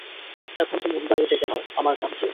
এখন তো মুম্বাইয়ে ডেকে নাও, আমার রামজী!